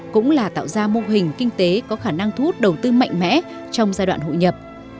cũng là tạo ra mô hình kinh tế có khả năng thu hút đầu tư mạnh mẽ trong giai đoạn hội nhập